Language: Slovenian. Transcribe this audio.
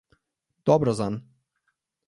Dobro zanj.